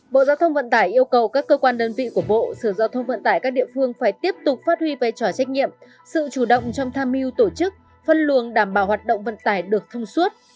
bộ giao thông vận tải yêu cầu các cơ quan đơn vị của bộ sở giao thông vận tải các địa phương phải tiếp tục phát huy vai trò trách nhiệm sự chủ động trong tham mưu tổ chức phân luồng đảm bảo hoạt động vận tải được thông suốt